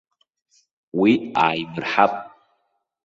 Уи ааиимырҳап.